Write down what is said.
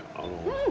うん。